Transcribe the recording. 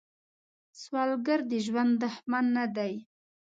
سوالګر د ژوند دښمن نه دی